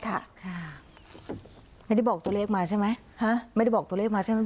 ค่ะไม่ได้บอกตัวเลขมาใช่ไหมฮะไม่ได้บอกตัวเลขมาใช่ไหม